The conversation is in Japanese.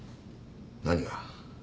何が？